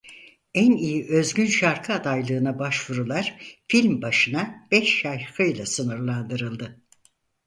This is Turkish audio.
En İyi Özgün Şarkı adaylığına başvurular film başına beş şarkıyla sınırlandırıldı.